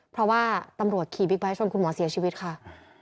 เพราะว่าตำรวจขี่บิ๊กไบท์ชนคุณหมอเสียชีวิตค่ะ